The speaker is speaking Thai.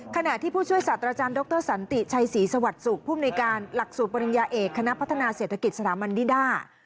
ขณะที่ผู้ช่วยศาสตราจารย์ดรสันติชัยศรีสวัสดิ์สุขภูมิในการหลักสูตรปริญญาเอกคณะพัฒนาเศรษฐกิจสถาบันดิดา